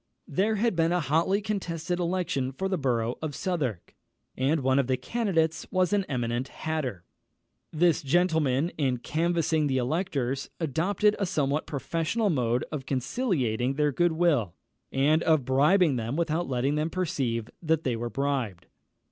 There had been a hotly contested election for the borough of Southwark, and one of the candidates was an eminent hatter. This gentleman, in canvassing the electors, adopted a somewhat professional mode of conciliating their good will, and of bribing them without letting them perceive that they were bribed.